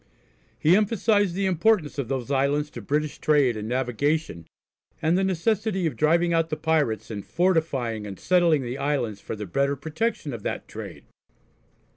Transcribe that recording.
He emphasised the importance of those islands to British trade and navigation, and the necessity of driving out the pirates and fortifying and settling the islands for the better protection of that trade.